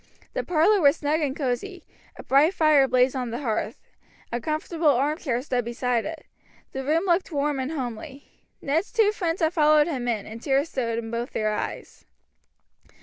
The parlor was snug and cosy; a bright fire blazed on the hearth; a comfortable armchair stood beside it; the room looked warm and homely. Ned's two friends had followed him in, and tears stood in both their eyes.